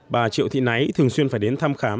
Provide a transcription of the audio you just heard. bà triệu thị náy thường xuyên phải đến thăm khám